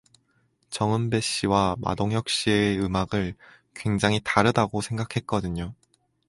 정은배 씨와 마동혁 씨의 음악을 굉장히 다르다고 생각했거든요.